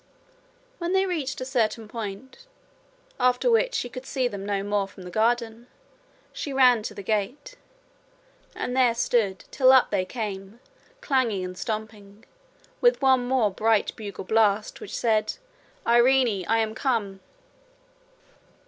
When they reached a certain point, after which she could see them no more from the garden, she ran to the gate, and there stood till up they came, clanging and stamping, with one more bright bugle blast which said: 'Irene, I am come.'